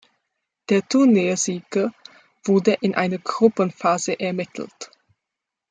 Der Turniersieger wurde in einer Gruppenphase ermittelt.